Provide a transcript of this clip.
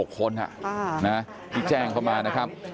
๖คนที่แจ้งเข้ามานะครับ